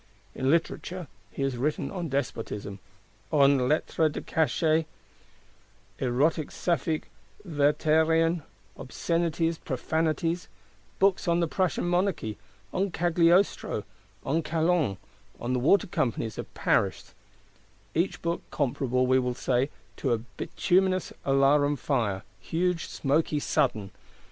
In Literature, he has written on Despotism, on Lettres de Cachet; Erotics Sapphic Werterean, Obscenities, Profanities; Books on the Prussian Monarchy, on Cagliostro, on Calonne, on the Water Companies of Paris:—each book comparable, we will say, to a bituminous alarum fire; huge, smoky, sudden!